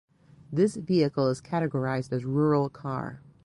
This vehicle is categorized as rural car.